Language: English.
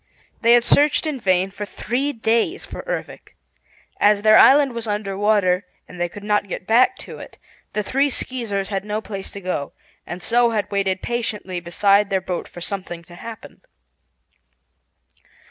They had searched in vain for three days for Ervic. As their island was under water and they could not get back to it, the three Skeezers had no place to go, and so had waited patiently beside their boat for something to happen.